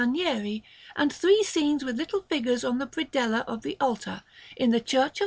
Ranieri, and three scenes with little figures on the predella of the altar, in the Church of S.